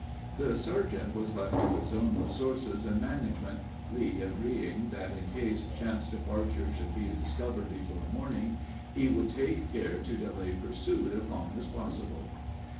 The sergeant was left to his own resources and management, Lee agreeing that in case Champe's departure should be discovered before morning, he would take care to delay pursuit as long as possible.